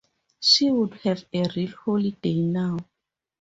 She would have a real holiday now.